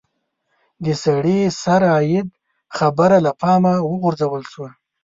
د سړي سر عاید خبره له پامه وغورځول شوه.